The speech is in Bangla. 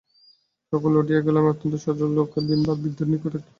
সকলে উঠিয়া গেলে আমি অত্যন্ত সলজ্জমুখে দীনভাবে বৃদ্ধের নিকট একটি প্রস্তাব করিলাম।